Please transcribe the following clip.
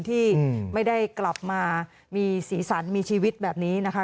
ที่ไม่ได้กลับมามีสีสันมีชีวิตแบบนี้นะคะ